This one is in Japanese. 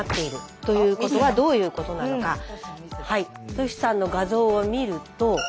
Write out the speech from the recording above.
トシさんの画像を見ると。